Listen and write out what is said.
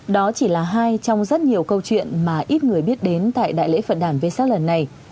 đó chỉ là hai trong rất nhiều câu chuyện mà ít người biết đến tại đại lễ phận đàn vê sát lần này